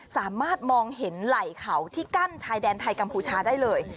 สามารถมองเห็นไหล่เขาที่กั้นชายแดนไทยกัมพูชาได้เลย